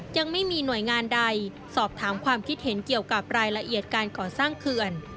ยังไม่มีหน่วยงานใดสอบถามความคิดเห็นเกี่ยวกับรายละเอียดการก่อสร้างเขื่อน